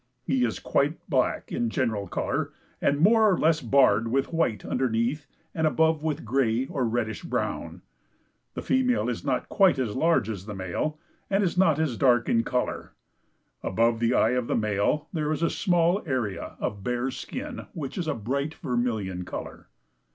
He is quite black in general color and more or less barred with white underneath and above with gray or reddish brown. The female is not quite as large as the male, and is not as dark in color. Above the eye of the male there is a small area of bare skin, which is a bright vermilion color.